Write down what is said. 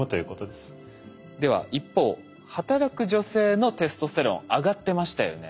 では一方働く女性のテストステロン上がってましたよね。